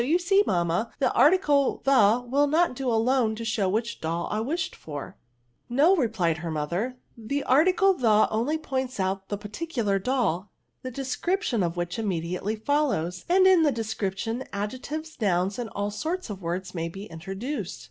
you see, . mamma, the article 40 MXnCLBB^ the will not do alone to show wliidi doU I wished {or J* No," replied her motlier ;the article the omiy points out the particidar doU, the descriptiou ei wUch immediately fol* lows; and in the description^ adjectives, nouns, and all sorts of words may be intro» duced.